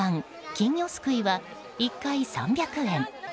金魚すくいは、１回３００円。